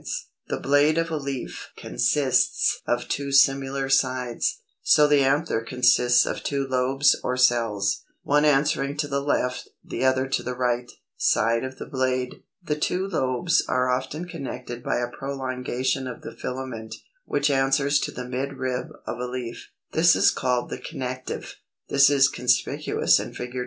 The blade of a leaf consists of two similar sides; so the anther consists of two LOBES or CELLS, one answering to the left, the other to the right, side of the blade. The two lobes are often connected by a prolongation of the filament, which answers to the midrib of a leaf; this is called the CONNECTIVE. This is conspicuous in Fig.